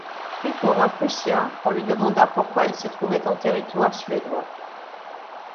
Pris pour un Prussien, on lui demanda pourquoi il se trouvait en territoire suédois.